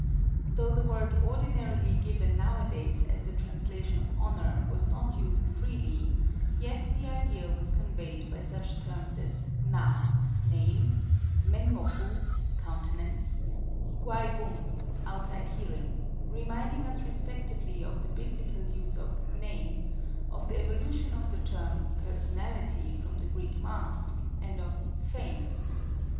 Though the word ordinarily given now a days as the translation of Honor was not used freely, yet the idea was conveyed by such terms as na (name) men moku (countenance), guai bun (outside hearing), reminding us respectively of the biblical use of "name," of the evolution of the term "personality" from the Greek mask, and of "fame."